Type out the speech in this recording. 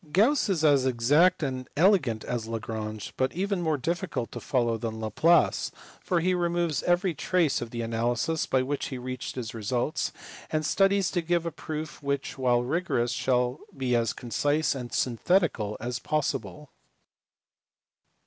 Gauss is as exact and elegant as Lagrange, but even more difficult to follow than Laplace, for he removes every .DIRICHLET. 457 trace of the analysis by which he reached his results, and studies to give a proof which while rigorous shall be as concise and synthetical as possible.